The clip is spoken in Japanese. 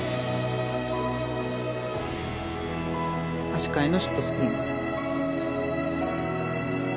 足換えのシットスピン。